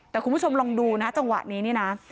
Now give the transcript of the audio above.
แต่คุณผู้ชมลองดูนะจังหวะนี้นี่นะ